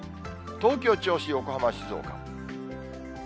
東京、銚子、横浜、静岡。